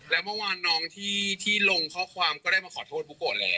แล้วเมื่อวานน้องที่ลงข้อความก็ได้มาขอโทษบุโกะแล้ว